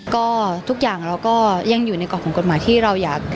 ก็ทุกอย่างเราก็ยังอยู่ในกรอบของกฎหมายที่เราอยาก